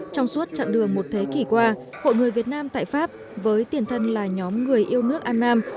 trong suốt chặng đường một thế kỷ qua hội người việt nam tại pháp với tiền thân là nhóm người yêu nước an nam